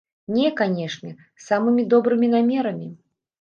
Не, канечне, з самымі добрымі намерамі.